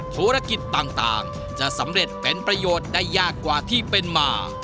ธุรกิจต่างจะสำเร็จเป็นประโยชน์ได้ยากกว่าที่เป็นมา